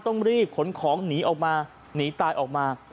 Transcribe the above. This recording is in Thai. ต้องรีบขนของหนีออกมาหนีตายออกมา